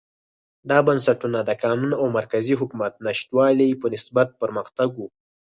دا بنسټونه د قانون او مرکزي حکومت نشتوالي په نسبت پرمختګ و.